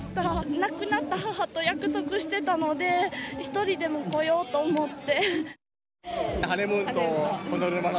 亡くなった母と約束してたので、１人でも来ようと思って。